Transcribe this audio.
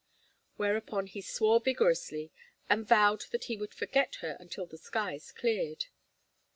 Whereupon he swore vigorously, and vowed that he would forget her until the skies cleared.